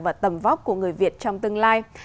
và tầm vóc của người việt trong tương lai